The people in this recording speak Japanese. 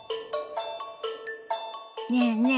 ねえねえ